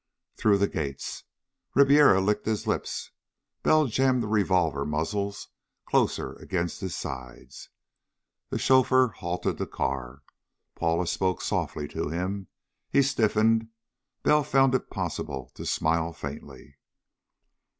Through the gates. Ribiera licked his lips. Bell jammed the revolver muzzles closer against his sides. The chauffeur halted the car. Paula spoke softly to him. He stiffened. Bell found it possible to smile faintly.